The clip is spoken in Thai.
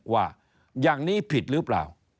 ว่าอย่างนี้ผิดหรือเปล่า